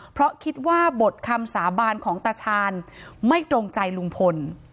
เพราะคิดว่าบทคำสาบานของตาชาญไม่ตรงใจลุงพล